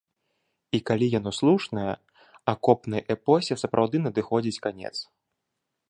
І калі яно слушнае, акопнай эпосе сапраўды надыходзіць канец.